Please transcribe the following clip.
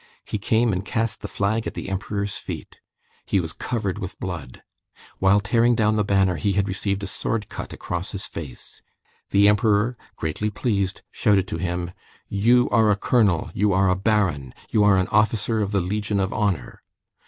He came and cast the flag at the Emperor's feet. He was covered with blood. While tearing down the banner he had received a sword cut across his face. The Emperor, greatly pleased, shouted to him: "You are a colonel, you are a baron, you are an officer of the Legion of Honor!"